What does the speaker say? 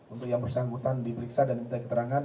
untuk yang bersangkutan di periksa dan mta keterangan